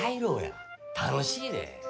楽しいで。